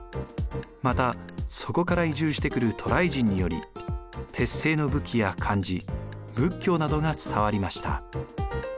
またそこから移住してくる渡来人により鉄製の武器や漢字仏教などが伝わりました。